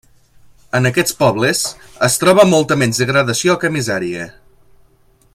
En aquests pobles, es troba molta menys degradació que misèria.